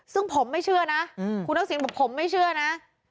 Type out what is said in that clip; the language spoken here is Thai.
ซึ่งผมไม่เชื่อนะคุณทักษิณบอกผมไม่เชื่อนะ